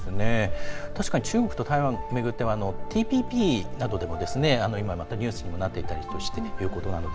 確かに中国と台湾をめぐってはＴＰＰなどでもニュースになっていたりするので。